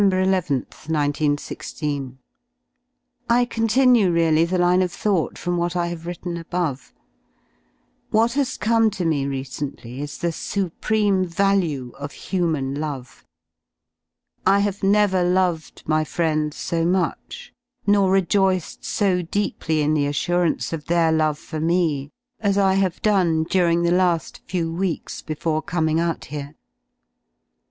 nth, iQi6. I continue really the line of thought from what I have written above. What has come to me recently is the y supreme value of human love. I have never loved my friends so much, nor rejoiced so deeply in the assurance of their love for me, as I have done during the la^ few weeks before coming out here.